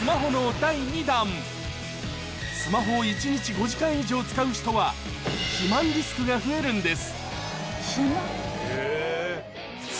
第２弾スマホを１日５時間以上使う人は肥満リスクが増えるんです